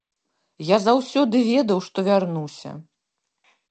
Я заўсёды ведаў, што вярнуся.